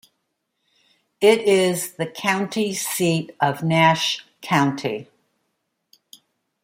It is the county seat of Nash County.